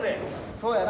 そうやな。